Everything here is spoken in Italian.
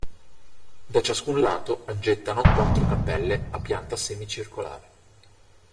Da ciascun lato aggettano quattro cappelle a pianta semicircolare.